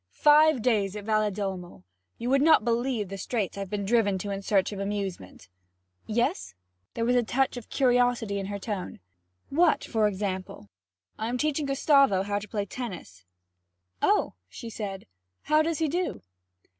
'Five days at Valedolmo! You would not believe the straits I've been driven to in search of amusement.' 'Yes?' There was a touch of curiosity in her tone. 'What for example?' 'I am teaching Gustavo how to play tennis.' 'Oh!' she said. 'How does he do?'